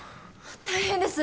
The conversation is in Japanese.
大変です。